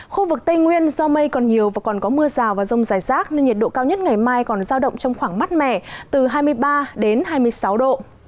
khu vực tây nguyên do mây còn nhiều và còn có mưa rào và rông rải rác nên nhiệt độ cao nhất ngày mai còn giao động trong khoảng mát mẻ từ hai mươi ba đến hai mươi sáu độ